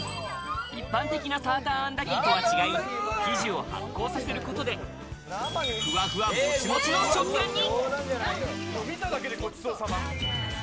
一般的なサーターアンダギーとは違い、生地を発酵させることで、ふわふわ、もちもちの食感に。